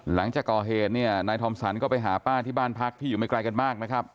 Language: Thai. หลังจากก่อเหตุเนี่ยนายทอมสันก็ไปหาป้าที่บ้านพักที่อยู่ไม่ไกลกันมากนะครับ